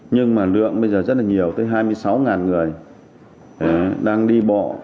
nhưng mà lượng bây giờ rất là nhiều tới hai mươi sáu người đang đi bộ